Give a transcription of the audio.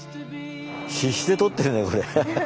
必死で撮ってるんだよこれ。